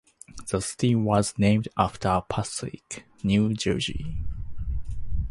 The city was named after Passaic, New Jersey.